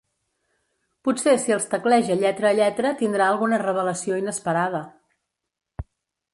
Potser si els tecleja lletra a lletra tindrà alguna revelació inesperada.